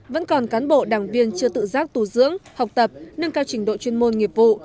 vẫn còn cán bộ đảng viên chưa tự giác tù dưỡng học tập nâng cao trình độ chuyên môn nghiệp vụ